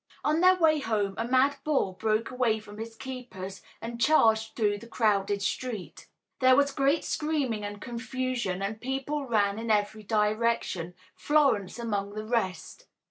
On their way home a mad bull broke away from his keepers and charged through the crowded street. There was great screaming and confusion and people ran in every direction, Florence among the rest.